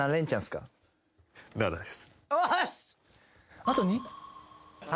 よし！